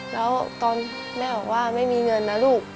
แล้วตอนแม่บอกว่าไม่มีเงินนะลูก